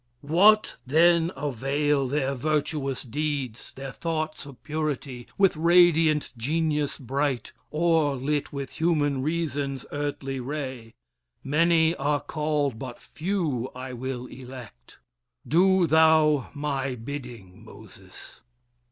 What then avail their virtuous deeds, their thoughts Of purity, with radiant genius bright, Or lit with human reason's earthly ray? Many are called, but few I will elect. Do thou my bidding, Moses!"